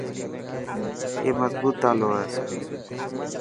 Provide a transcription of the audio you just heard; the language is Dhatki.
اي خربوت تالو هي.